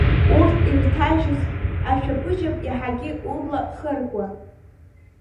Урҭ ирҭажьыз ашәаԥыџьаԥ иаҳагьы убла хыркуан.